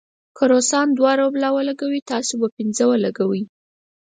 که روسان دوه روبله ولګوي، تاسې به پنځه ولګوئ.